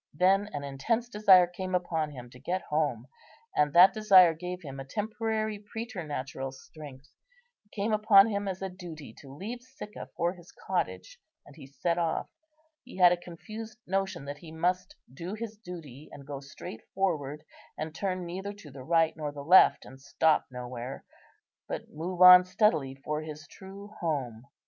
Then an intense desire came upon him to get home, and that desire gave him a temporary preternatural strength. It came upon him as a duty to leave Sicca for his cottage, and he set off. He had a confused notion that he must do his duty, and go straight forward, and turn neither to the right, nor the left, and stop nowhere, but move on steadily for his true home.